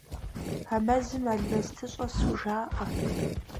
А мэзым алмэсты щӏэсу жаӏэ.